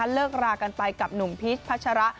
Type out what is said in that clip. เลิกรากันไปกับหนุ่มพีชพัชระ